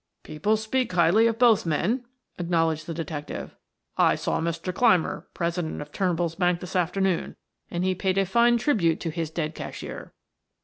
"People speak highly of both men," acknowledged the detective. "I saw Mr. Clymer, president of Turnbull's bank this afternoon, and he paid a fine tribute to his dead cashier."